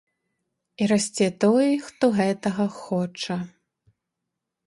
І расце той, хто гэтага хоча.